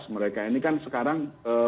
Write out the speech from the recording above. mereka ini kan sekarang